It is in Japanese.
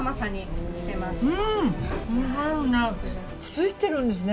ついてるんですね。